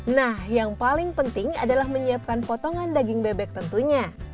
nah yang paling penting adalah menyiapkan potongan daging bebek tentunya